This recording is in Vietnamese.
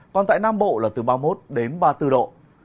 còn tại nam bộ là từ ba mươi một đến ba mươi bốn độ